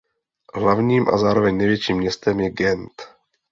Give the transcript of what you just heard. Hlavním a zároveň největším městem je Gent.